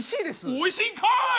おいしいんかい！